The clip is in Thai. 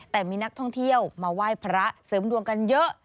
แต่มีนักท่องเที่ยวมาไหว้พระเสริมดวงกันเยอะ